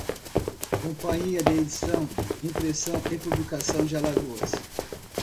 Companhia de Edição, Impressão e Publicação de Alagoas